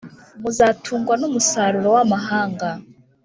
muzatungwa n’umusaruro w’amahanga,